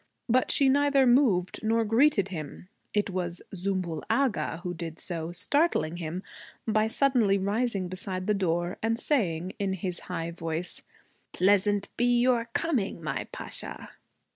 But she neither moved nor greeted him. It was Zümbül Agha who did so, startling him by suddenly rising beside the door and saying in his high voice, 'Pleasant be your coming, my Pasha.'